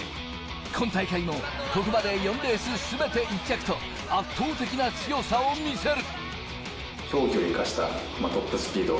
今大会もここまで４レース全て１着と圧倒的な強さを見せる。